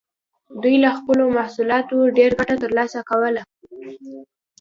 دوی له خپلو محصولاتو ډېره ګټه ترلاسه کوله.